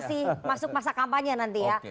masih masuk masa kampanye nanti ya